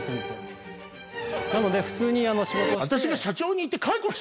なので普通に仕事をして。